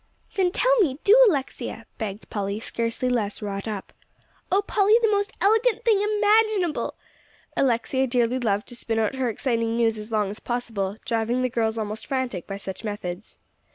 "Then tell me, do, Alexia," begged Polly, scarcely less wrought up. "Oh, Polly, the most elegant thing imaginable!" Alexia dearly loved to spin out her exciting news as long as possible, driving the girls almost frantic by such methods.